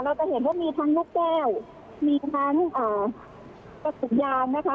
จะเห็นว่ามีทั้งนกแก้วมีทั้งกระสุนยางนะคะ